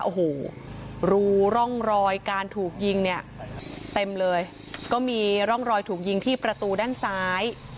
โอ้โหรูร่องรอยการถูกยิงเนี่ยเต็มเลยก็มีร่องรอยถูกยิงที่ประตูด้านซ้าย